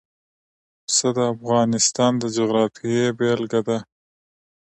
پسه د افغانستان د جغرافیې بېلګه ده.